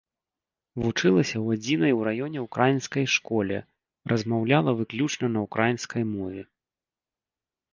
Вучылася ў адзінай у раёне ўкраінскай школе, размаўляла выключна на ўкраінскай мове.